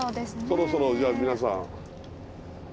そろそろじゃあ皆さん。